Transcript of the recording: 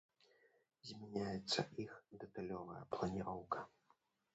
Змяняецца іх дэталёвая планіроўка.